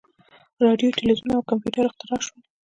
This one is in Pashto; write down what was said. • راډیو، تلویزیون او کمپیوټر اختراع شول.